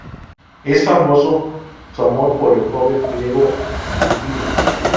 Es famoso su amor por el joven griego Antínoo.